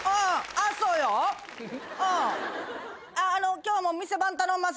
今日も店番頼んます。